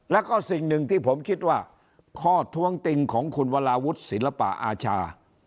แล้วก็สิ่งหนึ่งที่ผมคิดว่าข้อท้วงติงของคุณวราวุฒิศิลปะอาชา